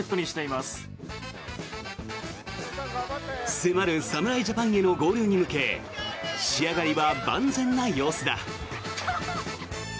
迫る侍ジャパンへの合流に向け仕上がりは万全な様子だ。